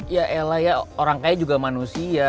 ya ella ya orang kaya juga manusia